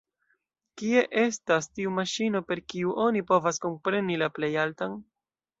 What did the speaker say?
Kie estas tiu maŝino, per kiu oni povas kompreni la Plejaltan?